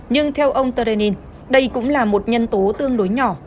nhưng theo ông tanin đây cũng là một nhân tố tương đối nhỏ